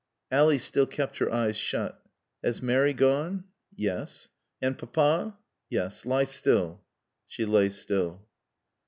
Ally still kept her eyes shut. "Has Mary gone?" "Yes." "And Papa?" "Yes. Lie still." She lay still.